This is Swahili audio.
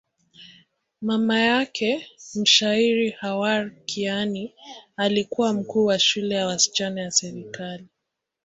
Mama yake, mshairi Khawar Kiani, alikuwa mkuu wa shule ya wasichana ya serikali.